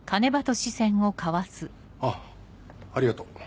あぁありがとう。